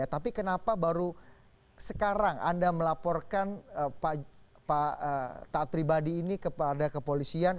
tapi kenapa baru sekarang anda melaporkan pak taat pribadi ini kepada kepolisian